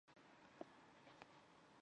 关嘉禄生于北京。